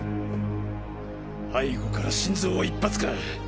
背後から心臓を一発か。